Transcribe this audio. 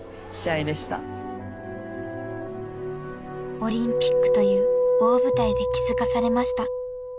［オリンピックという大舞台で気付かされました］